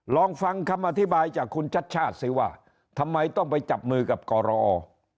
ลองฟังคำอธิบายจากคุณชัดชาติสิว่าทำไมต้องไปจับมือกับกรอ